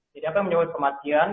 jadi apa yang menyebabkan kematian